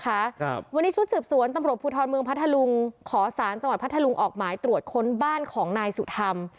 ครับวันนี้ชุดสืบสวนตำรวจภูทรเมืองพัทธลุงขอสารจังหวัดพัทธลุงออกหมายตรวจค้นบ้านของนายสุธรรม